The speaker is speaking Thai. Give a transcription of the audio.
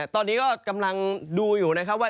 ตอนนี้ก็กำลังดูอยู่นะครับว่า